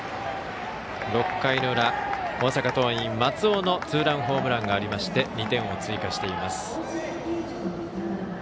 ６回の裏大阪桐蔭、松尾のツーランホームランがありまして２点を追加しています。